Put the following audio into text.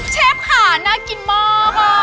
เชฟค่ะน่ากินมาก